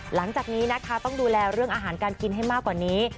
หลังจากนี้นะคะต้องดูแลเรื่องอาหารการกินให้มากกว่านี้